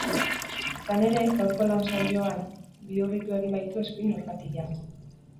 Izan ere, gaurko lan saion bihurritu egin baitu eskuin orkatila.